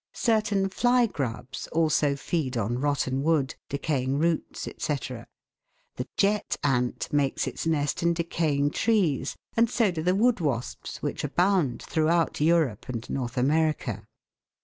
Certain fly grubs also feed on rotten wood, decaying roots, &c. ; the jet ant makes its nest in decaying trees, and WORMS AS SCAVENGERS. 205 so do the wood wasps which abound throughout Europe and North America.